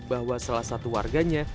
bahwa salah satu warganya